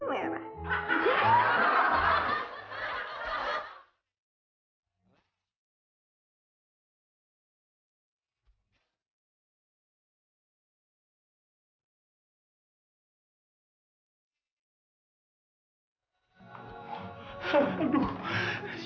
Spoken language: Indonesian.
kau mau kagetin aku atau gak